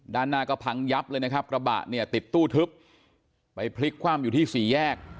ด้านหน้าก็พังยับเลยนะครับกระบะเนี่ยติดตู้ทึบไปพลิกคว่ำอยู่ที่สี่แยก